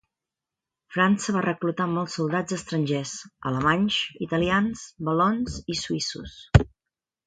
França va reclutar molts soldats estrangers; alemanys, italians, valons i suïssos.